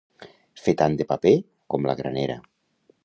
Fer tant de paper com la granera.